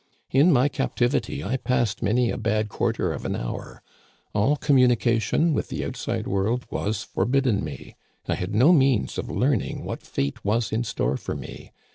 In my captivity I passed many a bad quarter of an hour. All communication with the outside world was forbidden me. I had no means of learning what fate was in store for me.